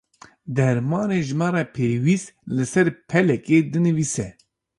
Dermanê ji me re pêwîst li ser pelekê dinivîse.